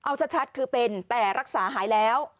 เอาชัดคือเป็นแต่รักษาหายแล้ว